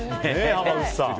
濱口さん